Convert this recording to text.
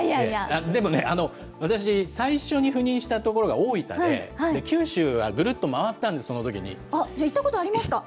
でもね、私、最初に赴任した所が大分で、九州はぐるっと回ったんです、そのと行ったことありますか？